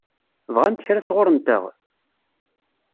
Bɣant kra sɣur-nteɣ?